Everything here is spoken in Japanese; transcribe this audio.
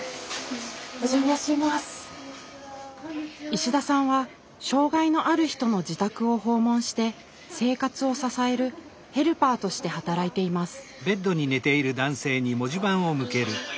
石田さんは障害のある人の自宅を訪問して生活を支える「ヘルパー」として働いています。